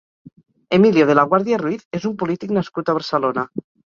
Emilio de La Guardia Ruiz és un polític nascut a Barcelona.